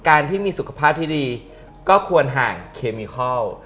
การที่มีสุขภาพที่ดีก็ควรห่างเคมิคอล